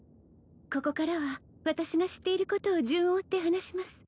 ここからは私が知っていることを順を追って話します